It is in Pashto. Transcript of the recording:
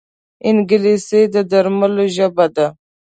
انګلیسي د درملو ژبه ده